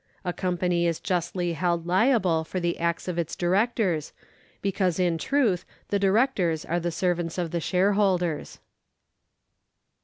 A company is justly held liable for the acts of its directors, because in truth the directors are the servants of the shareholders.